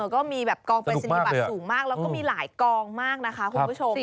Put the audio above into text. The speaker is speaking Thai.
ก็มีแบบกองปริศนียบัตรสูงมากแล้วก็มีหลายกองมากนะคะคุณผู้ชม